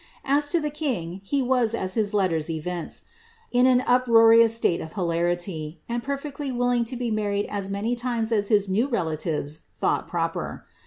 As to the king, he >vaj. as his letters evince, in an uproarious slate of hilarity, and perfectly wil ling to be married as many times as his new relatives ihoushi proper.